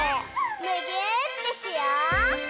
むぎゅーってしよう！